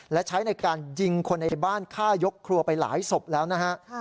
และใช้ในการยิงคนในบ้านฆ่ายกครัวไปหลายศพแล้วนะฮะ